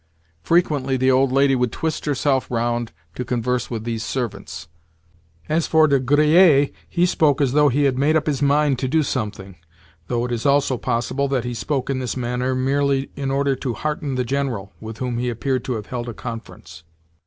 Frequently the old lady would twist herself round to converse with these servants. As for De Griers, he spoke as though he had made up his mind to do something (though it is also possible that he spoke in this manner merely in order to hearten the General, with whom he appeared to have held a conference).